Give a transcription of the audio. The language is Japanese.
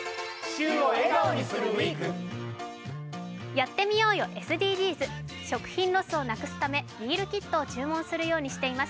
やってみようよ、ＳＤＧｓ食品ロスをなくすため、ミールキットを注文するようにしています。